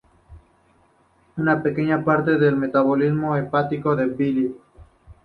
Una pequeña parte por metabolismo hepático o bilis.